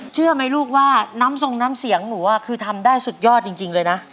เชื่อไหมลูกว่าน้ำทรงน้ำเสียงหนูคือทำได้สุดยอดจริงเลยนะ